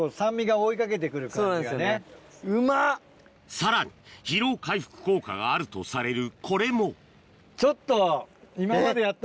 さらに疲労回復効果があるとされるこれもちょっと。